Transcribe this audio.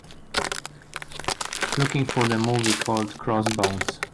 Looking for the movie called Crossbones